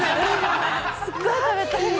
すっごい食べたい◆